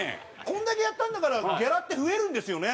こんだけやったんだからギャラって増えるんですよね？